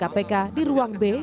di ruang b kantor pengadilan negeri